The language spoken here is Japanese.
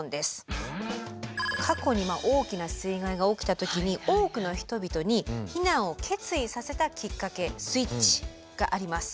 過去に大きな水害が起きた時に多くの人々に避難を決意させたきっかけスイッチがあります。